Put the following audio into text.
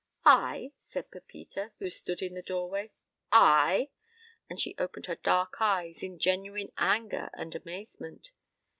"I!" said Pepita, who stood in the doorway. "I!" And she opened her dark eyes in genuine anger and amazement.